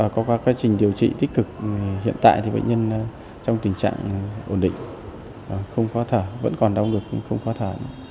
có các quá trình điều trị tích cực hiện tại bệnh nhân trong tình trạng ổn định không khó thở vẫn còn đau ngực không khó thở